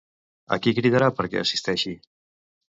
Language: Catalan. A qui cridarà perquè assisteixi?